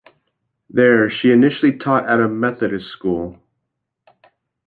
There, she initially taught at a Methodist school.